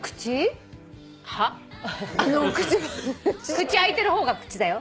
口開いてる方が口だよ。